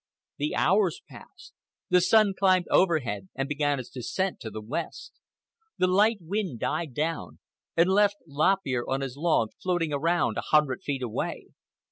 The hours passed. The sun climbed overhead and began its descent to the west. The light wind died down and left Lop Ear on his log floating around a hundred feet away.